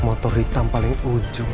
motor hitam paling ujung